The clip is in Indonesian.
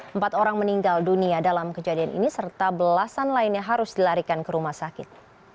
empat orang meninggal dunia dalam kejadian ini serta belasan lainnya harus dilarikan ke rumah sakit